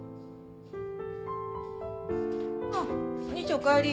あぁお兄ちゃんおかえり。